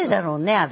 あれ。